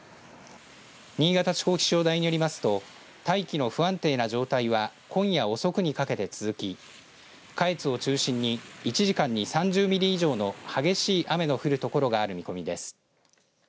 新潟地方気象台によりますと大気の不安定な状態は今夜遅くにかけて続き下越を中心に１時間に３０ミリ以上の激しい雨の降る所がある見込みです。